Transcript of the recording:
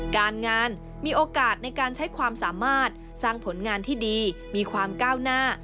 การงานมีโอกาสในการใช้ความสามารถสร้างผลงานที่ดีมีความก้าวหน้า